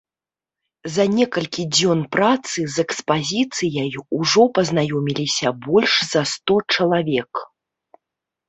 За некалькі дзён працы з экспазіцыяй ужо пазнаёміліся больш за сто чалавек.